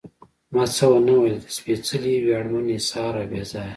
ما څه ونه ویل، د سپېڅلي، ویاړمن، اېثار او بې ځایه.